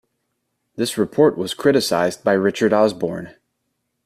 This report was criticized by Richard Osborne.